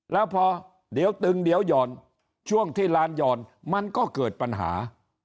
แล้วพอเดี๋ยวตึงเดี๋ยวหย่อนช่วงที่ร้านหย่อนมันก็เกิดปัญหา